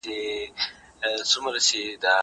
هغه وويل چي کتابتوني کار مهم دي!!